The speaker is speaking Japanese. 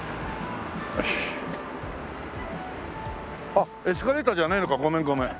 あっエスカレーターじゃないのかごめんごめん。